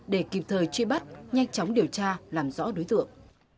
để kịp thời truy bắt nhanh chóng điều tra làm rõ đối tượng